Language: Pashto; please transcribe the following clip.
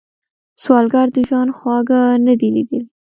سوالګر د ژوند خواږه نه دي ليدلي